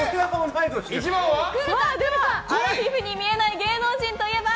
アラフィフに見えない芸能人といえば？